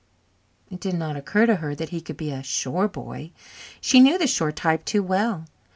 It did not occur to her that he could be a shore boy she knew the shore type too well.